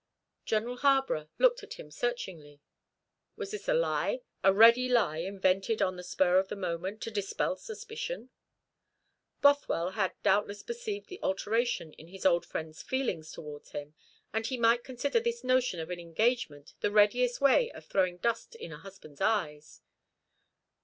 General Harborough looked at him searchingly. Was this a lie a ready lie invented on the spur of the moment, to dispel suspicion? Bothwell had doubtless perceived the alteration in his old friend's feelings towards him; and he might consider this notion of an engagement the readiest way of throwing dust in a husband's eyes.